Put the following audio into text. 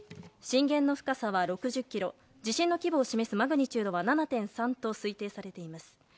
震源の深さは６０ｋｍ地震の規模を示すマグニチュードは７．３と推定されています。